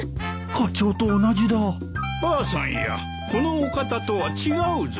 課長と同じだばあさんやこのお方とは違うぞ。